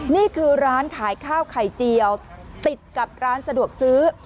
นี่คือร้านขายข้าวไข่เจียวติดกับร้านสะดวกซื้อ